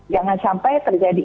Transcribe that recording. jangan sampai terjadi